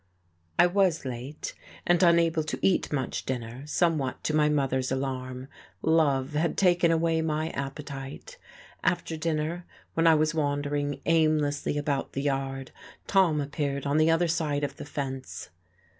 I was late, and unable to eat much dinner, somewhat to my mother's alarm. Love had taken away my appetite.... After dinner, when I was wandering aimlessly about the yard, Tom appeared on the other side of the fence.